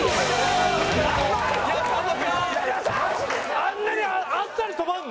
あんなにあっさり止まるの？